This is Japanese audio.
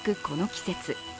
この季節。